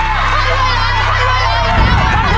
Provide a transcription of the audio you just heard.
เวลาเดินล่ะ